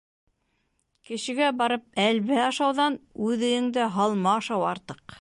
Кешегә барып әлбә ашауҙан үҙ өйөндә һалма ашау артыҡ.